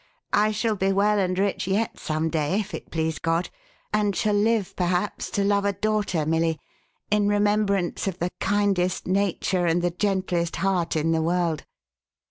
I shall be well and rich yet, some day, if it please God, and shall live perhaps to love a daughter Milly, in remembrance of the kindest nature and the gentlest heart in the world."